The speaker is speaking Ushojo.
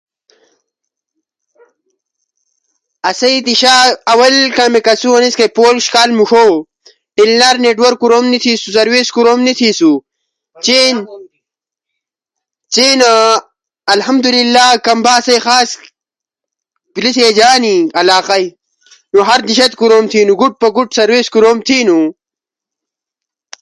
آسو دیشا آول کامیک ہنو انیس کئی پوش کال موݜوتی لا نیٹورک نی تھیسو، سروس کوروم نی تھیسو، چین الحمد للہ کھمبا خاص ریچے جھالی علاقہ در بئی۔ نو ہر دیشا در کوروم تھینو، گوٹ پہ گوٹ کوروم تھینو۔